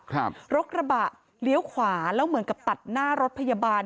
ครับรถกระบะเลี้ยวขวาแล้วเหมือนกับตัดหน้ารถพยาบาล